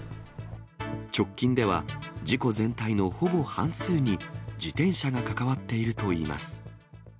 直近では、事故全体のほぼ半数に自転車が関わっているといいます。